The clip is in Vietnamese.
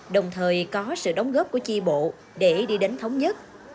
đồng thời có sự đóng góp của tri bộ để đi đánh thống nhất